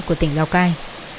của tỉnh lào cai